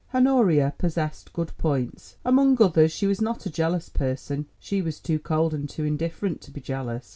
Honoria possessed good points: among others she was not a jealous person; she was too cold and too indifferent to be jealous.